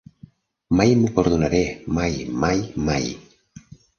Mai m'ho perdonaré mai; mai, mai!